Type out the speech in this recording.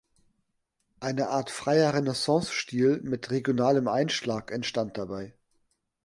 Eine Art freier Renaissancestil mit regionalem Einschlag entstand dabei.